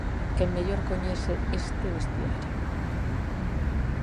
Quen mellor coñece este vestiario.